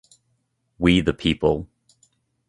We the People!